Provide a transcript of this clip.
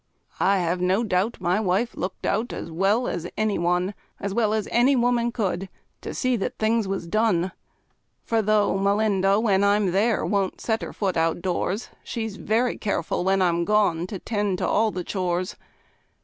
I have no doubt my wife looked out, as well as any one As well as any woman could to see that things was done: For though Melinda, when I'm there, won't set her foot outdoors, She's very careful, when I'm gone, to tend to all the chores.